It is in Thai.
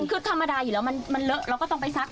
คือธรรมดาอยู่แล้วมันเลอะเราก็ต้องไปซัก